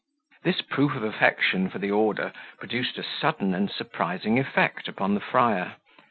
This proof of affection for the order produced a sudden and surprising effect upon the friar.